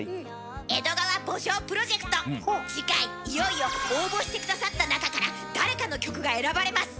「江戸川慕情」プロジェクト次回いよいよ応募して下さった中から誰かの曲が選ばれます！